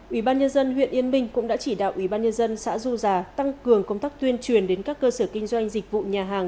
ubnd huyện yên minh cũng đã chỉ đạo ubnd xã du già tăng cường công tác tuyên truyền đến các cơ sở kinh doanh dịch vụ nhà hàng